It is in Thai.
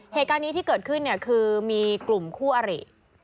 เหตุการณ์นี้ที่เกิดขึ้นเนี่ยคือมีกลุ่มคู่อริ